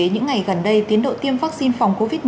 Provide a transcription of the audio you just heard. những ngày gần đây tiến độ tiêm vaccine phòng covid một mươi chín